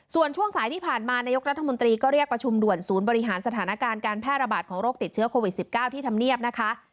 ส่วนช่วงสายที่ผ่านมานายกรัฐมนตรีก็เรียกประชุมด่วนศูนย์บริหารสถานการณ์การแพร่ระบาดของโรคติดเชื้อโควิด๑๙ที่ทำเนียบนะคะ